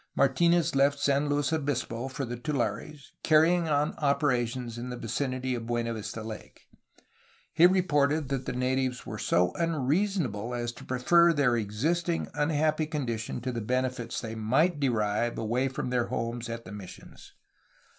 Martinez left San Luis Obispo for the tulares, carrying on operations in the vicinity of Buena Vista Lake. He reported that the natives were so unrea sonable as to prefer their existing unhappy condition to the benefits they might derive away from their homes at the missions.